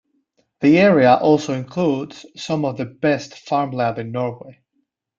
The area also includes some of the best farmland in Norway.